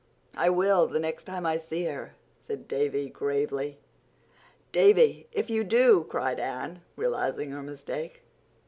"I will, the next time I see her," said Davy gravely. "Davy! If you do!" cried Anne, realizing her mistake.